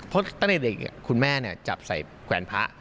เพราะตั้งแต่เด็กคุณแม่จับใส่แขวนพระ